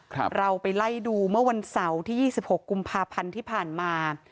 เราไปไล่ดูเมื่อวันเสาร์ที่ยี่สิบหกกุมภาพันธ์ที่ผ่านมา